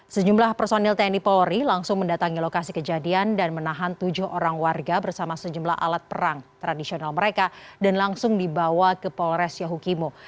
sejumlah personil tni polri langsung mendatangi lokasi kejadian dan menahan tujuh orang warga bersama sejumlah alat perang tradisional mereka dan langsung dibawa ke polres yahukimo